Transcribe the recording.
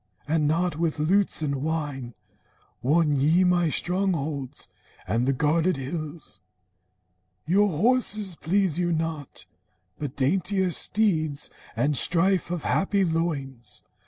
And not with lutes and wine Won ye my strongholds and the guarded hills. Your horses please you not, but daintier steeds, And strife of happy loins.